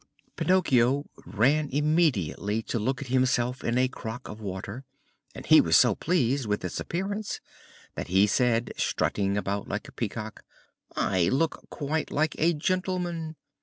Pinocchio ran immediately to look at himself in a crock of water, and he was so pleased with his appearance that he said, strutting about like a peacock: "I look quite like a gentleman!"